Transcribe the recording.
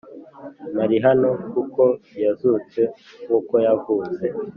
Ntari hano kuko yazutse nk’uko yavuze